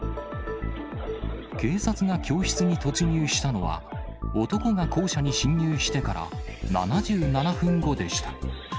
警察が教室に突入したのは、男が校舎に侵入してから７７分後でした。